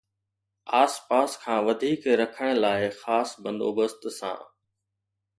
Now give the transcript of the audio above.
آس پاس کان وڌيڪ رکڻ لاءِ خاص بندوبست سان